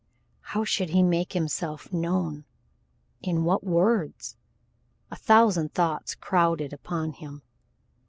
How should he make himself known? In what words? A thousand thoughts crowded upon him.